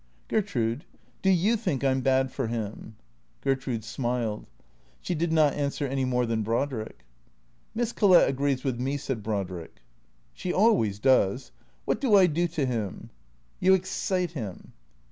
" Gertrude — do you think I 'm bad for him ?" Gertrude smiled. She did not answer any more than Brod rick. " Miss Collett agrees with me," said Brodrick. " She always does. What do I do to him ?"" You excite him."